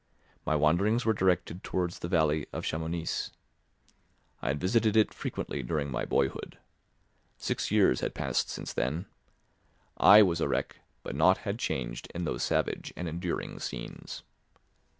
My wanderings were directed towards the valley of Chamounix. I had visited it frequently during my boyhood. Six years had passed since then: I was a wreck, but nought had changed in those savage and enduring scenes.